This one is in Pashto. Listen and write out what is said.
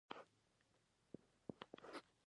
د احمد نوم ورک شو.